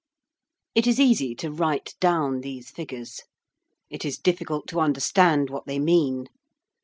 It is easy to write down these figures. It is difficult to understand what they mean.